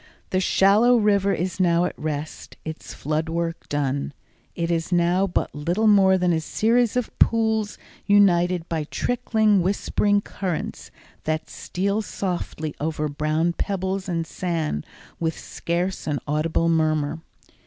The shallow river is now at rest, its flood work done. It is now but little more than a series of pools united by trickling, whispering currents that steal softly over brown pebbles and sand with scarce an audible murmur.